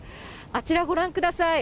あちら、ご覧ください。